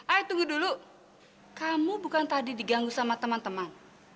ayo tunggu dulu kamu bukan tadi diganggu sama teman teman